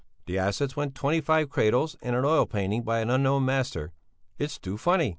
The assets were twenty five cradles and an oil painting by an unknown master. It's too funny!